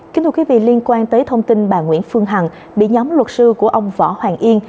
kính thưa quý vị liên quan tới thông tin bà nguyễn phương hằng bị nhóm luật sư của ông võ hoàng yên